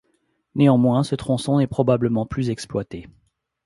Néanmoins, ce tronçon n'est probablement plus exploité.